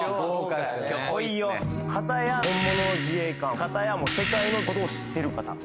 かたや本物の自衛官かたや世界のことを知ってる方